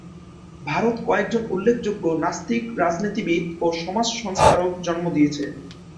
ভারত কয়েকজন উল্লেখযোগ্য নাস্তিক রাজনীতিবিদ ও সমাজ সংস্কারক জন্ম দিয়েছে।